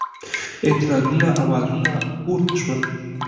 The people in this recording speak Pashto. اعتراضونو آوازونه پورته شول.